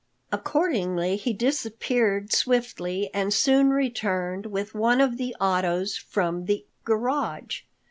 Accordingly he disappeared swiftly and soon returned with one of the autos from the royal garage.